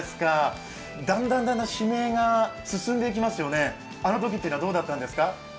だんだん指名が進んでいきますよね、あのときというのはどうだったんですか？